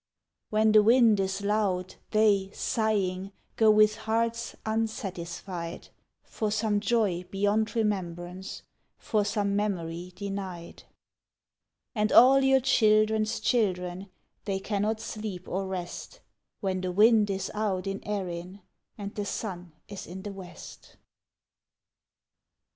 When the wind is loud, they sighing Go with hearts unsatisfied, For some joy beyond remembrance. For some memory denied. And all your children's children, They cannot sleep or rest, When the wind is out in Erin And the sun is in the West.